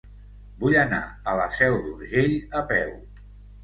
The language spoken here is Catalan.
Vull anar a la Seu d'Urgell a peu.